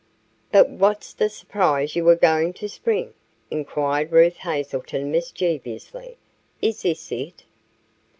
"But what's the surprise you were going to spring?" inquired Ruth Hazelton, mischievously. "Is this it?"